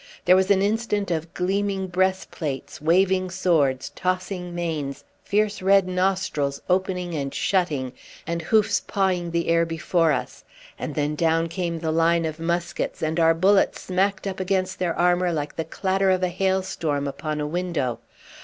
There was an instant of gleaming breastplates, waving swords, tossing manes, fierce red nostrils opening and shutting, and hoofs pawing the air before us; and then down came the line of muskets, and our bullets smacked up against their armour like the clatter of a hailstorm upon a window.